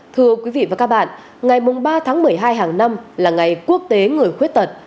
thưa quý vị và các bạn ngày ba tháng một mươi hai hàng năm là ngày quốc tế người khuyết tật